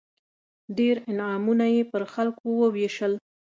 ډېر انعامونه یې پر خلکو ووېشل.